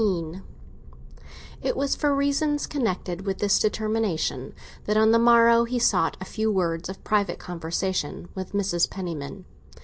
XIX IT was for reasons connected with this determination that on the morrow he sought a few words of private conversation with Mrs. Penniman.